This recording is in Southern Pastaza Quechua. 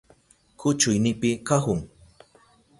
Kuchuynipi kahun.